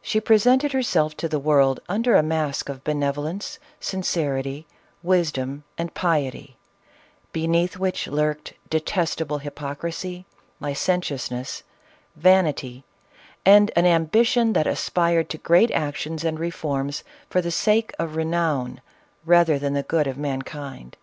She presented herself to the world, under a mask of benev olence, sincerity, wisdom, and piety, beneath which lurked detestable hypocrisy, licentiousness, vanity, and an ambition that aspired to great actions and re forms, for the sake of renown, rather than the good of mankind.